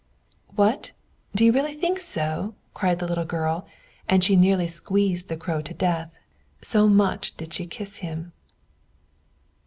"What do you really think so?" cried the little girl; and she nearly squeezed the Crow to death, so much did she kiss him.